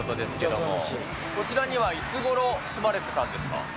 こちらにはいつごろ住まれてたんですか？